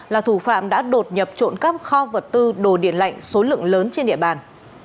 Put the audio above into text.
là thủ phạm đã đột nhập trộm cắp kho vật tư đồ điện lạnh số lượng lớn trên địa bàn